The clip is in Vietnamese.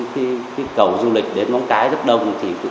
thì khi cầu du lịch đến